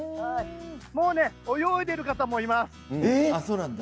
泳いでいる方もいます。